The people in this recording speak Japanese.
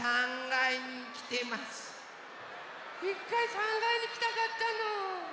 いっかい３がいにきたかったの。